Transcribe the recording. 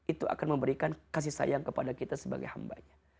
itu akan memberikan kasih sayang kepada kita sebagai hambanya